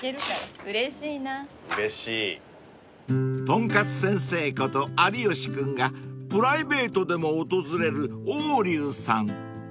［豚かつ先生こと有吉君がプライベートでも訪れる王龍さん］